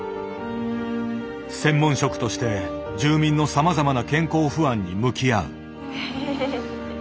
専門職として住民のさまざまな健康不安に向き合う。